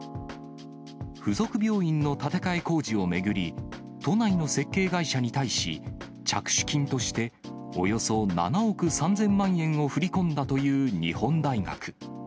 付属病院の建て替え工事を巡り、都内の設計会社に対し、着手金として、およそ７億３０００万円を振り込んだという日本大学。